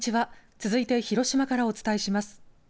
続いて広島からお伝えします。